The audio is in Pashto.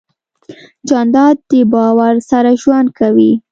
جانداد د باور سره ژوند کوي.